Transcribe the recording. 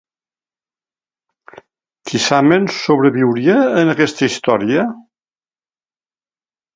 Tisamen sobreviuria en aquesta història?